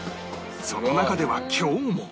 その中では今日も